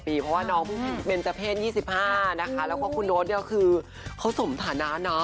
ทีนี้เดียวคือเขาสมฐานานะ